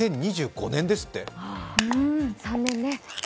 ２０２５年ですって。